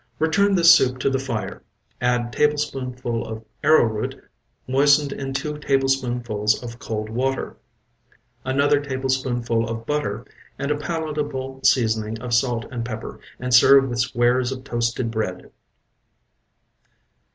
Return this soup to the fire, add tablespoonful of arrow root moistened in two tablespoonfuls of cold water, another tablespoonful of butter and a palatable seasoning of salt and pepper, and serve with squares of toasted bread.